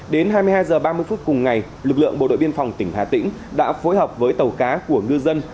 đến hai mươi hai h ba mươi phút cùng ngày lực lượng bộ đội biên phòng tỉnh hà tĩnh đã phối hợp với tàu cá của ngư dân